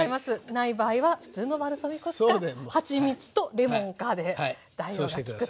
ない場合は普通のバルサミコ酢かはちみつとレモンかで代用が利くと。